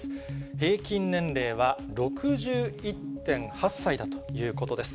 平均年齢は６１．８歳だということです。